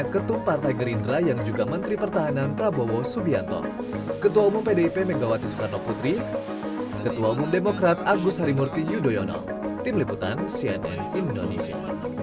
ketua umum pdip megawati soekarno putri ketua umum demokrat agus harimurti yudhoyono tim liputan cnn indonesia